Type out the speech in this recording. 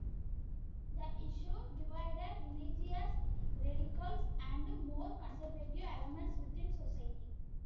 The issue divided religious radicals and more conservative elements within society.